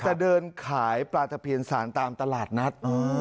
จะเดินขายปลาตะเพียนสารตามตลาดนัด